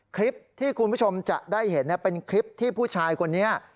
คลิปที่คุณผู้ชมจะได้เห็นเป็นคลิปที่ผู้ชายคนนี้